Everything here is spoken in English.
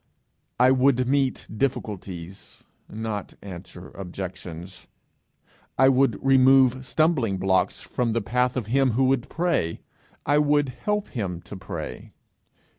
I would meet difficulties, not answer objections; I would remove stumbling blocks from the path of him who would pray; I would help him to pray.